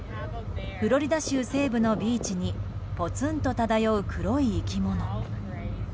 フロリダ州西部のビーチにぽつんと漂う黒い生き物。